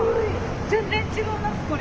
全然違うな造り。